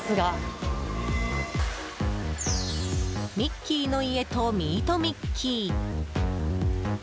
ミッキーの家とミート・ミッキー。